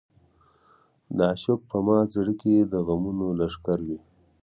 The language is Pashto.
د عاشق په مات زړه کې د غمونو لښکر وي.